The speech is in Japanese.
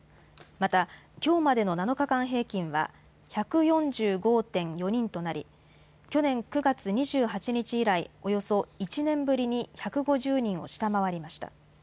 また、きょうまでの７日間平均は１４５．４人となり、去年９月２８日以来、およそ１年ぶりに１５０人を下回りました。